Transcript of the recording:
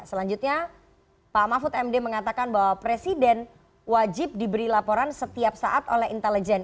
selanjutnya pak mahfud md mengatakan bahwa presiden wajib diberi laporan setiap saat oleh intelijen